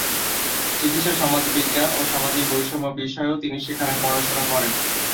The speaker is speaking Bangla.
চিকিৎসা সমাজবিজ্ঞান ও সামাজিক বৈষম্য বিষয়েও তিনি সেখানে পড়াশোনা করেন।